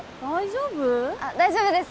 大丈夫？